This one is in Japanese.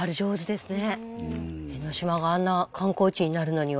江の島があんな観光地になるのには。